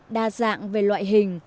đa dạng về loại hình